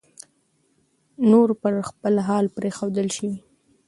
نور پر خپل حال پرېښودل شوی